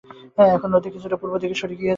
এখন নদী বেশ কিছুটা পূর্বদিকে সরে গিয়েছে।